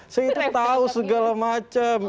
saya itu tau segala macam